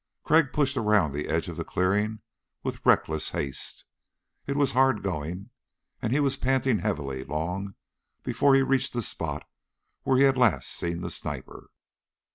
Crag pushed around the edge of the clearing with reckless haste. It was hard going and he was panting heavily long before he reached the spot where he had last seen the sniper.